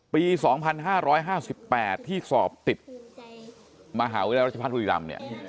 ปี๒๕๕๘ที่สอบติดมหาวิทยาลัยราชภาษณ์ธุริรัมน์